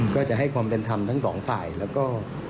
ก็จะให้ความเป็นธรรมทั้งสองฝ่ายแล้วก็